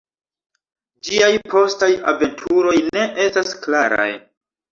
Ĝiaj postaj aventuroj ne estas klaraj.